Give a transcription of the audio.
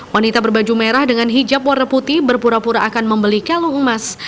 wanita berbaju merah dengan hijab warna putih berpura pura akan membeli kalung emas